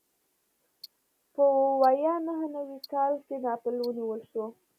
په ویا نهه نوي کال کې ناپل ونیول شو.